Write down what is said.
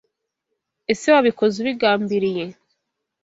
Ese Wabikoze ubigambiriye.